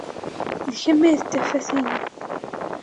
D kemm ay d tafat-inu.